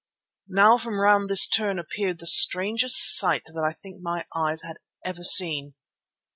Now from round this turn appeared the strangest sight that I think my eyes had ever seen.